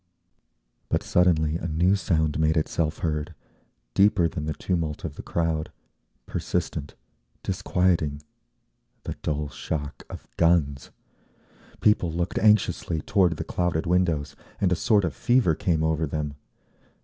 But suddenly a new sound made itself heard, deeper than the tumult of the crowd, persistent, disquieting,—the dull shock of guns. People looked anxiously toward the clouded windows, and a sort of fever came over them.